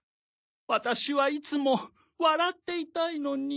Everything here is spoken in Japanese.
ワタシはいつも笑っていたいのに。